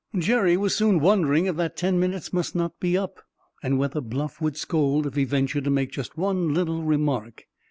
Jerry was soon wondering if that ten minutes must not be up, and whether Bluff would scold if he ventured to make just one little remark.